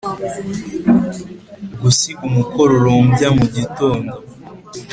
gusiga umukororombya mugitondo!